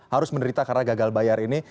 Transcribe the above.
harus menderita karena gagal bayar ini